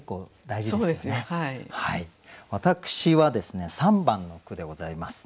私はですね３番の句でございます。